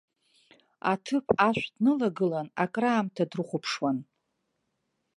Аҭыԥ ашә днылагылан, акраамҭа дрыхәаԥшуан.